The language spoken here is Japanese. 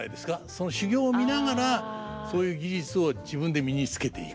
その修業を見ながらそういう技術を自分で身につけていくという。